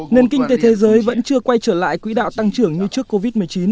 nền kinh tế thế giới vẫn chưa quay trở lại quỹ đạo tăng trưởng như trước covid một mươi chín